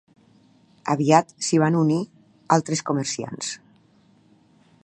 Aviat s'hi van unir altres comerciants.